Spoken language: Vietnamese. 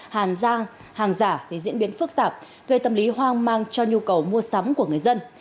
hàn giang hàng giả diễn biến phức tạp gây tâm lý hoang mang cho nhu cầu mua sắm của người dân